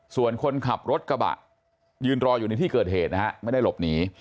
ส่วนคนขับรถกระบะยืนรออยู่ในที่เกิดเหตุนะฮะไม่ได้หลบหนี